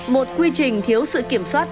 một quy trình thiếu sự kiểm soát